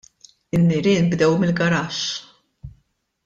In-nirien bdew mill-garaxx.